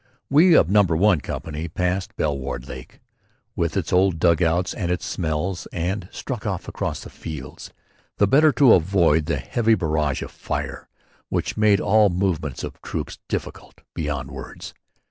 We of Number One Company passed Belle waarde Lake, with its old dug outs and its smells, and struck off across the fields, the better to avoid the heavy barrage fire which made all movement of troops difficult beyond words.